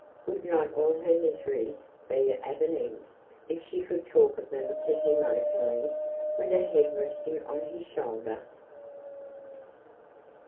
Would not all her miseries be at an end, if she could talk of them to him openly, with her hand resting on his shoulder?